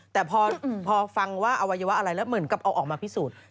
แต่พอฟังว่าอวัยวะอะไรแล้วเหมือนกับเอาออกมาพิสูจน์